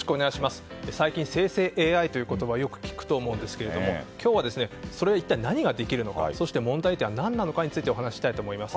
最近、生成ＡＩという言葉をよく聞くと思うんですけど今日はそれはいったい何ができるのか問題点は何なのかお話ししたいと思います。